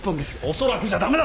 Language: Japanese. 「恐らく」じゃダメだ！